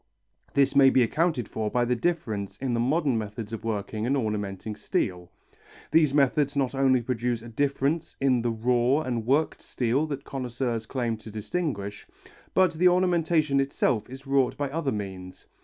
This may be accounted for by the difference in the modern methods of working and ornamenting steel. These methods not only produce a difference in the raw and worked steel that connoisseurs claim to distinguish, but the ornamentation itself is wrought by other means.